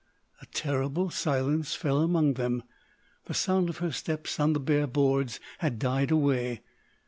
A terrible silence fell among them. The sound of her steps on the bare boards had died away.